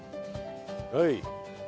はい。